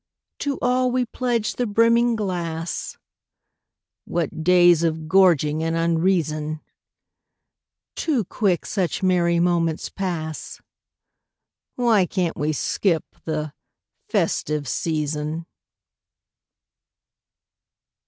_) To all we pledge the brimming glass! (What days of gorging and unreason!) Too quick such merry moments pass (_Why can't we skip the "festive season"?